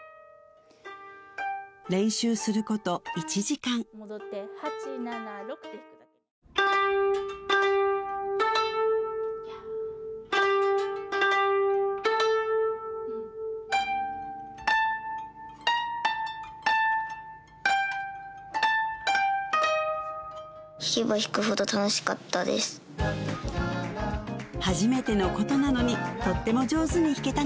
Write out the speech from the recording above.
練習すること１時間戻って八七六初めての箏なのにとっても上手に弾けたね